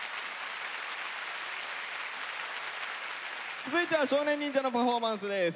続いては少年忍者のパフォーマンスです。